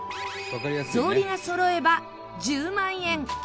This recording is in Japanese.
草履がそろえば１０万円。